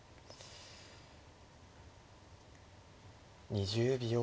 ２０秒。